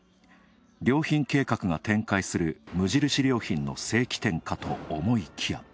良品計画が展開する無印良品の正規店かと思いきや。